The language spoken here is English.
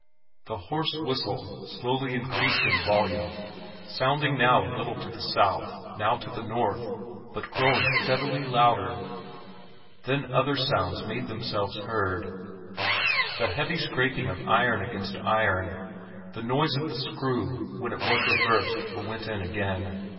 The hoarse whistle slowly increased in volume, sounding now a little to the south, now to the north, but growing steadily louder. Then other sounds made themselves heard, the heavy scraping of iron against iron, the noise of the screw when it was reversed or went on again.